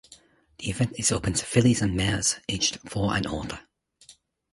The event is open to fillies and mares, age four and older.